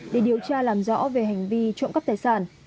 để điều tra làm rõ về hành vi trộm cắp tài sản